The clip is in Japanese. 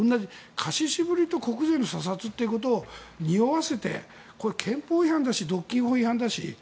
貸し渋りと国税の査察ということをにおわせて憲法違反だし、独禁法違反だし。